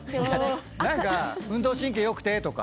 何か運動神経良くてとか。